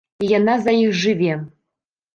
І яна за іх жыве!